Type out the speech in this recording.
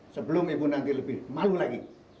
sebelum ibu nanti lebih malu lagi